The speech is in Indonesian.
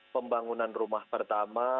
pembangunan rumah pertama